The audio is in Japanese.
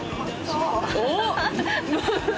おっ！